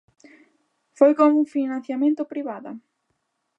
Foi con financiamento privada?